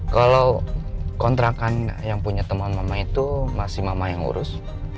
kalau kontrakan yang punya teman mama itu masih mama yang urus